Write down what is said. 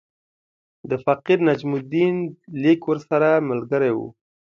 د فقیر نجم الدین لیک ورسره ملګری وو.